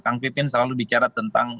kang pipin selalu bicara tentang